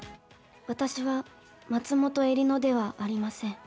「私は松本江里乃ではありません」